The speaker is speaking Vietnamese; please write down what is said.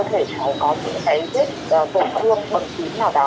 thì có thể cháu có thể thấy